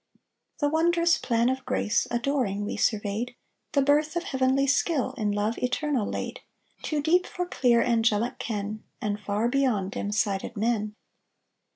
The wondrous plan of Grace, Adoring, we surveyed, The birth of heavenly skill In Love Eternal laid Too deep for clear Angelic ken, And far beyond Dim sighted men.